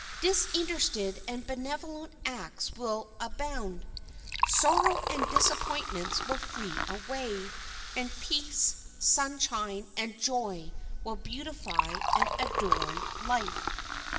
Disinterested and benevolent acts will abound. Sorrow and disappointments will flee away, and peace, sunshine, and joy will beautify and adorn life.